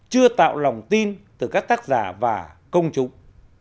chưa tạo lòng tin từ các tác giả và công chúng